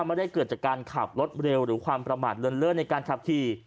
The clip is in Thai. ไม่ได้เกิดจากการขับรถเร็วหรือความประมาทเลินเลิศในการขับขี่